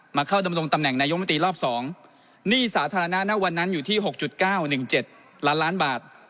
เข้าดำรงตำแหน่งนายกมตรีรอบ๒หนี้สาธารณะณวันนั้นอยู่ที่๖๙๑๗ล้านล้านบาท